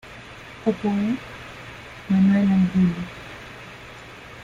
Oboe: Manuel Angulo.